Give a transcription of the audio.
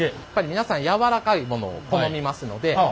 皆さん柔らかいものを好みますので。